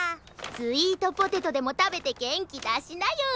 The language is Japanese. スイートポテトでもたべてげんきだしなよ。